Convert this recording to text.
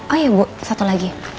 oh ya bu satu lagi